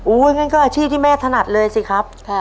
งั้นก็อาชีพที่แม่ถนัดเลยสิครับ